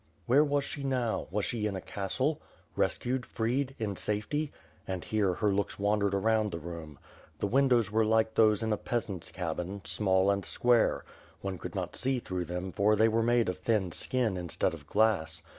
"Where was she now? Was she in a castle? Rescued, freed, in safety?" and here, her looks wandered around the room. The windows were like those in a peasant's cabin, small and square. One could not see through them for they were made of thin skin instead of glass.